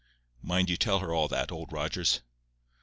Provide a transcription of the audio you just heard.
Mind you tell her all that, Old Rogers."